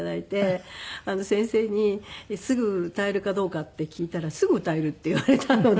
先生にすぐ歌えるかどうかって聞いたらすぐ歌えるって言われたので。